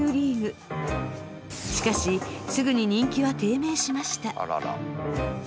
しかしすぐに人気は低迷しました。